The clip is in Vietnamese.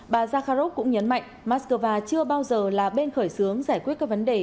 bà zakharov cũng nhấn mạnh moscow chưa bao giờ là bên khởi xướng giải quyết các vấn đề